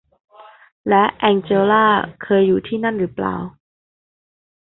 และแองเจลลาเคยอยู่ที่นั่นหรือเปล่า